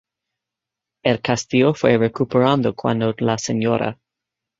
El castillo fue recuperado cuando la Sra.